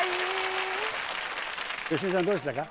芳根さんどうでしたか？